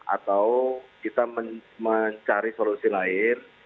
atau kita mencari solusi lain